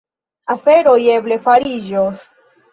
Aferoj eble fariĝos.